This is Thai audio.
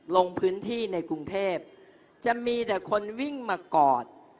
ลงพื้นที่ในกรุงเทพจะมีแต่คนวิ่งมากอด